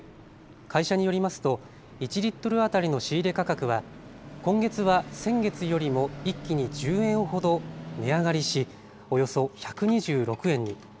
会社によりますと１リットル当たりの仕入れ価格は今月は先月よりも一気に１０円ほど値上がりしおよそ１２６円に。